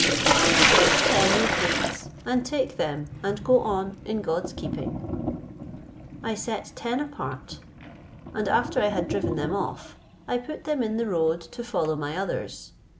Choose which ten you please, and take them, and go on in God's keeping." I set ten apart, and after I had driven them off, I put them in the road to follow my others.